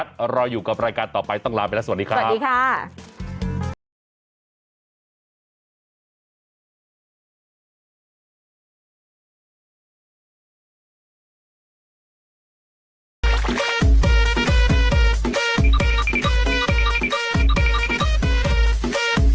โปรดติดตามตอนต่อไป